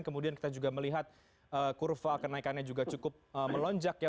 kemudian kita juga melihat kurva kenaikannya juga cukup melonjak ya